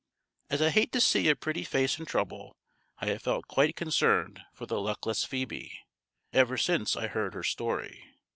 As I hate to see a pretty face in trouble, I have felt quite concerned for the luckless Phoebe, ever since I heard her story.